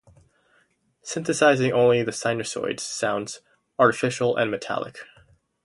Synthesizing only the sinusoids sounds artificial and metallic.